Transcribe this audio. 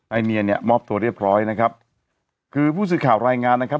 เนียนเนี่ยมอบตัวเรียบร้อยนะครับคือผู้สื่อข่าวรายงานนะครับ